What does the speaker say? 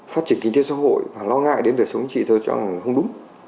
phát triển kinh tế xã hội và lo ngại đến đời sống chính trị châu âu là không đúng